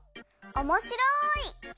おもしろい！